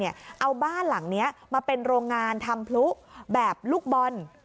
เอาบ้านหลังนี้มาเป็นโรงงานทำพลุแบบลูกบอล